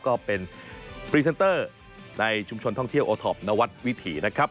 ก็เป็นพรีเซนเตอร์ในชุมชนท่องเที่ยวโอท็อปนวัดวิถีนะครับ